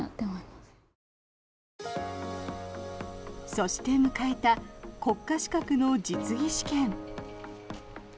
そして迎えた国家資格の実技試験。